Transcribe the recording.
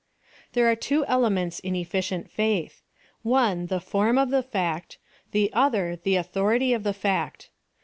There are two elements in efficient faith ; one i\\Q form of the fact — the other the authority of the fact.